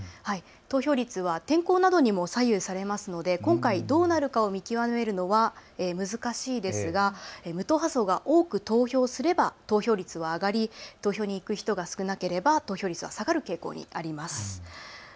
投票率は天候などにも左右されるので今回どうなるかを見極めるのは難しいですが無党派層が多く投票すれば投票率は上がり投票に行く人が少なければ投票率が下がる傾向があります。